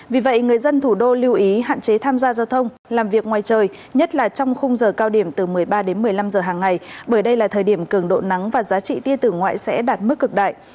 vì vậy người dân thủ đô lưu ý hạn chế tham gia giao thông làm việc ngoài trời nhất là trong khung giờ cao điểm từ một mươi ba đến một mươi năm giờ hàng ngày bởi đây là thời điểm cường độ nắng và giá trị tia tử ngoại sẽ đạt mức cực đại